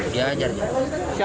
dia ajar dia ajar